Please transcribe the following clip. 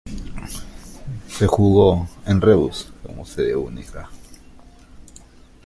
Se jugó en Reus como sede única.